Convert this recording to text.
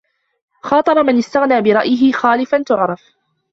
خاطر من استغنى برأيه خالف تُعْرَفْ